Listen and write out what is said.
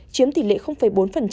chiếm tỷ lệ bốn